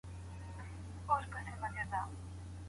موږ چيري خپل پټ استعدادونه د پرمختګ لپاره کارولای سو؟